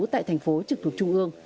tại thành phố trực thuộc trung ương